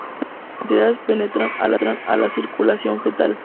Pequeñas cantidades penetran a la circulación fetal.